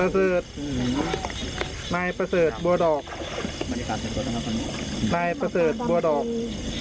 อรับทราบสจะเล่นรู้สิทธิ์